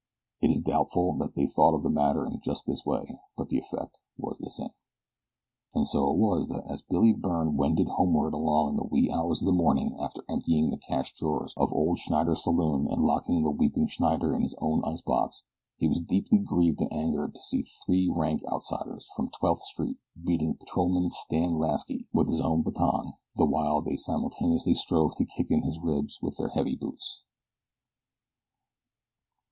It is doubtful that they thought of the matter in just this way, but the effect was the same. And so it was that as Billy Byrne wended homeward alone in the wee hours of the morning after emptying the cash drawer of old Schneider's saloon and locking the weeping Schneider in his own ice box, he was deeply grieved and angered to see three rank outsiders from Twelfth Street beating Patrolman Stanley Lasky with his own baton, the while they simultaneously strove to kick in his ribs with their heavy boots.